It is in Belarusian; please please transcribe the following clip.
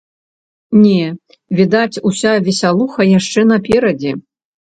Не, відаць, уся весялуха яшчэ наперадзе.